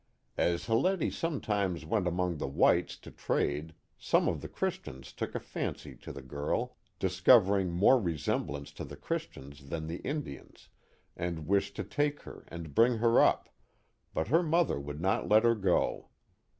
As Hilletie sometimes went among the whites to trade, some of the Christians took a fancy to the girl, discovering more resemblance to the Christians than the Indians, and wished to take her and bring her up, but her mother would not let her go.